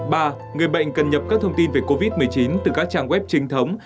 ba người bệnh cần nhập các thông tin về covid một mươi chín từ các trang web chính thống